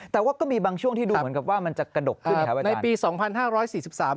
แต่ว่าก็มีบางช่วงที่ดูเหมือนกับว่ามันจะกระดกขึ้นไหมครับอาจารย์